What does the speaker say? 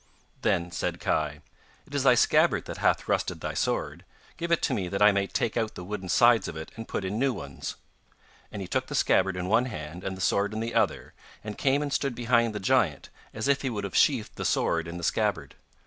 Then said Kai: 'It is thy scabbard that hath rusted thy sword; give it to me that I may take out the wooden sides of it and put in new ones.' And he took the scabbard in one hand and the sword in the other, and came and stood behind the giant, as if he would have sheathed the sword in the scabbard.